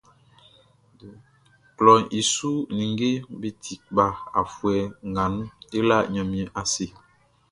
Klɔʼn i su ninngeʼm be ti kpa afuɛ nga nun, e la Ɲanmiɛn ase.